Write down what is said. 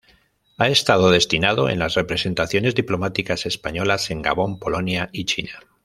Ha estado destinado en las representaciones diplomáticas españolas en Gabón, Polonia y China.